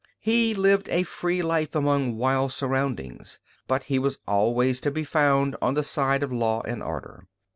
He lived a free life among wild surroundings, but he was always to be found on the side of law and order.